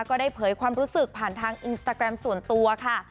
ก็ได้เผยความรู้สึกผ่านทางอินสตาแกรมส่วนตัวค่ะ